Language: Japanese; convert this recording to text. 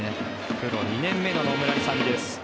プロ２年目の野村勇です。